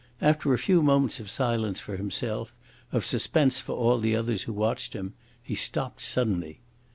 After a few moments of silence for himself, of suspense for all the others who watched him, he stooped suddenly.